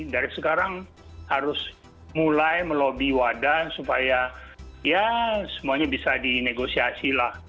dari sekarang harus mulai melobi wadah supaya ya semuanya bisa dinegosiasi lah